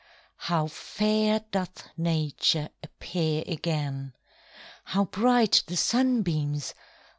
How fair doth Nature Appear again! How bright the sunbeams!